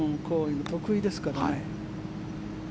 得意ですからね。